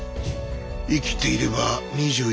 生きていれば２１。